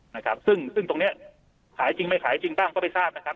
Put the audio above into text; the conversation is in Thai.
นะครับซึ่งซึ่งตรงเนี้ยขายจริงไม่ขายจริงบ้างก็ไม่ทราบนะครับ